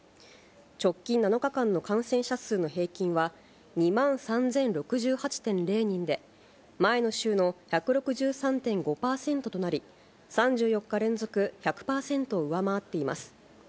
直近７日間の感染者数の平均は、２万３０６８．０人で、前の週の１６３．５％となり、３４日連続１００％を上回っています。